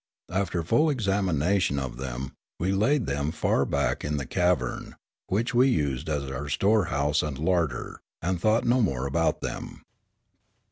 After full examination of them, we laid them far back in the cavern, which we used as our storehouse and larder, and thought no more about them.